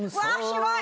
すごい！